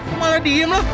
eh malah diem loh